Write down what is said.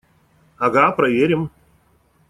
Ага, проверим!